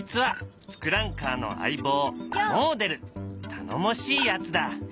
頼もしいヤツだ。